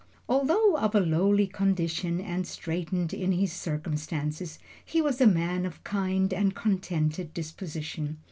Although of a lowly condition and straitened in his circumstances, he was a man of kind and contented disposition.